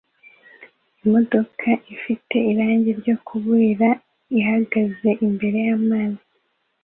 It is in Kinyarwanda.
Imodoka ifite irangi ryo kuburira ihagaze imbere y'amazi